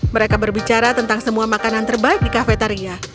mereka berbicara tentang semua makanan terbaik di kafetaria